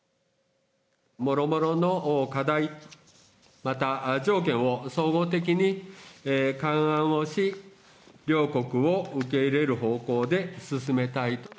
もろもろの課題、また条件を総合的にかんあんをし両国を受け入れる方向で進めたい。